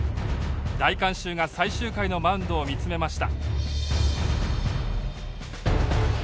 大観衆が最終回のマウンドを見つめました。